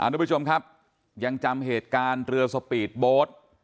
ทุกผู้ชมครับยังจำเหตุการณ์เรือสปีดโบ๊ท